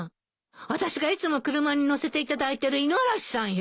私がいつも車に乗せていただいている五十嵐さんよ。